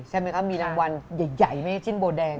ใช่ไหมคะมีรางวัลใหญ่ไหมจิ้นโบดัง